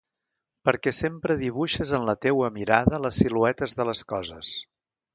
Perquè sempre dibuixes en la teua mirada les siluetes de les coses.